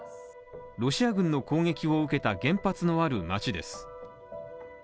ロシア軍の攻撃を受けた原発のある街です。